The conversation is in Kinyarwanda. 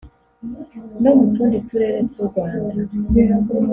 no mu tundi turere tw’u Rwanda